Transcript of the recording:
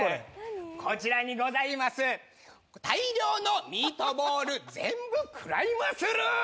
こちらにございます大量のミートボール全部食らいまする！